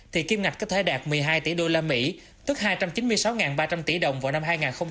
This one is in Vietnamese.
thì kim ngạch có thể đạt một mươi hai tỷ usd tức hai trăm chín mươi sáu ba trăm linh tỷ đồng vào năm hai nghìn hai mươi